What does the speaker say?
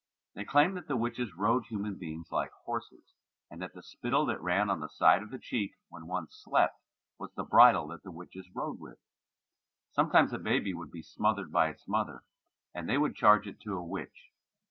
They claimed that the witches rode human beings like horses, and that the spittle that ran on the side of the cheek when one slept, was the bridle that the witch rode with. Sometimes a baby would be smothered by its mother, and they would charge it to a witch.